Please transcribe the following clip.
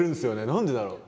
何でだろう？